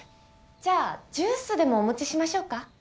じゃあジュースでもお持ちしましょうか？